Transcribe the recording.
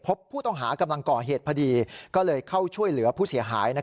พบผู้ต้องหากำลังก่อเหตุพอดีก็เลยเข้าช่วยเหลือผู้เสียหาย